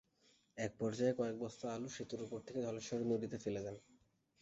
একপর্যায়ে কয়েক বস্তা আলু সেতুর ওপর থেকে ধলেশ্বরী নদীতে ফেলে দেন।